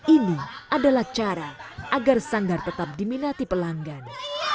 ini adalah cara agar sanggar tetap diminati pelanggan